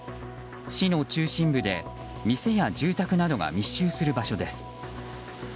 市の中心部で店や住宅などが密集する場所です。